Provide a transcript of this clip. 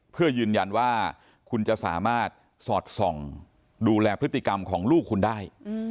เพื่อยืนยันว่าคุณจะสามารถสอดส่องดูแลพฤติกรรมของลูกคุณได้